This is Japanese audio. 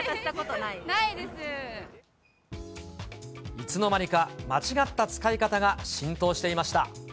いつのまにか間違った使い方が浸透していました。